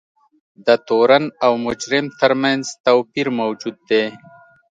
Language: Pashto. د تورن او مجرم ترمنځ توپیر موجود دی.